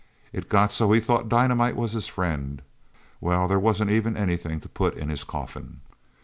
It got so he thought dynamite was his friend. Well, there wasn't even anything to put in his coffin..."